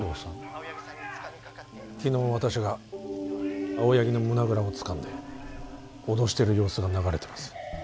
青柳さんにつかみかかって昨日私が青柳の胸ぐらをつかんで脅してる様子が流れてます